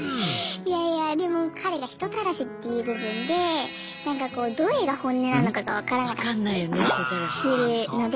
いやいやでも彼が人たらしっていう部分でなんかこうどれが本音なのかが分からなかったりするので。